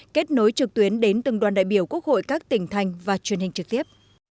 kết nối trực tuyến đến từng đoàn đại biểu quốc hội các tỉnh thành và truyền hình trực tiếp